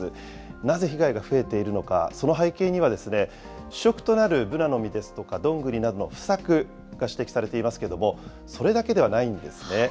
なぜ被害が増えているのか、その背景には、主食となるブナの実ですとかどんぐりなどの不作が指摘されていますけれども、それだけではないんですね。